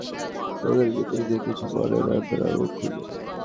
শিক্ষাসফরের অভিজ্ঞতা বলে, ড্রাইভারের বিরুদ্ধে একজন কিছু বললে অন্যরাও মুখ খুলবে।